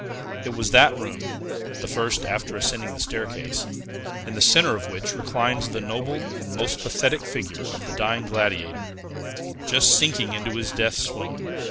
It was that room (the first, after ascending the staircase) in the centre of which reclines the noble and most pathetic figure of the Dying Gladiator, just sinking into his death swoon.